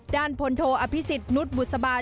ด้านพลโทอภิษฎนุษย์บุษบาล